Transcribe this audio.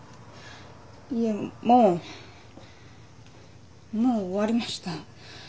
いえもうもう終わりました。